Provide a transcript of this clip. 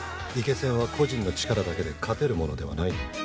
イケセンは個人の力だけで勝てるものではない。